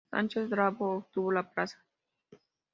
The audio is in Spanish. Sánchez-Prado obtuvo la plaza.